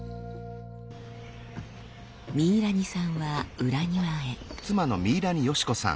ミイラニさんは裏庭へ。